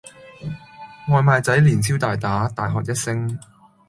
外賣仔連消帶打，大喝一聲